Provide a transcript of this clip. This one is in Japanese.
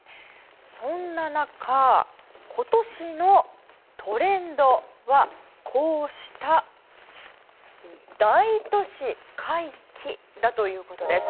そんな中、今年のトレンドはこうした大都市回帰だということです。